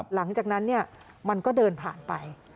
หลังจากนั้นมันก็เดินผ่านไป